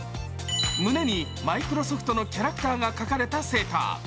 胸にマイクロソフトのキャラクターが描かれたセーター。